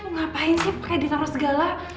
ngapain sih pake di tangga segala